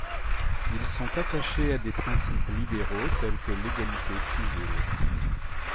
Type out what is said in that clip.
Ils sont attachés à des principes libéraux tels que l'égalité civile.